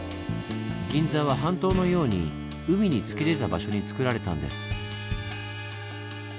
銀座は半島のように海に突き出た場所につくられたんです。